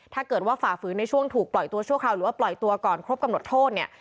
ถ้าเกิดว่าฝ่าฝืนในช่วงถูกปล่อยตัวชั่วคราวหรือว่าปล่อยตัวก่อนครบกำหนดโทษเนี่ย